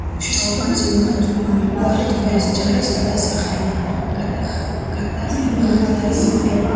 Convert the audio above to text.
შესაბამისად მათ უარი თქვეს ჯარის გადასახადის გადახდაზე.